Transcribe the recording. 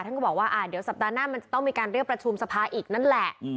ก็บอกว่าเดี๋ยวสัปดาห์หน้ามันจะต้องมีการเรียกประชุมสภาอีกนั่นแหละ